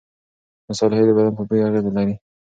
مصالحې د بدن په بوی اغېزه لري.